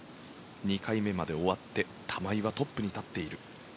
２回目まで終わって玉井はトップに立っている。